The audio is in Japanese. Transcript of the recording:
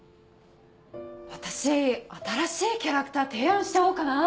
私新しいキャラクター提案しちゃおうかな。